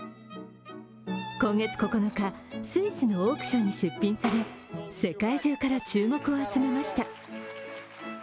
今月９日、スイスのオークションに出品され世界中から注目を集めました。